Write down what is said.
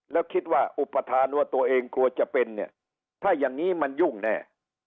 แล้วคิดว่าอุปทานว่าตัวเองกลัวจะเป็นเนี่ยถ้าอย่างนี้มันยุ่งแน่